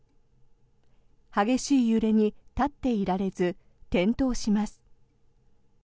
激しい揺れに立っていられず転倒します。